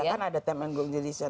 iya kan ada time and goal decision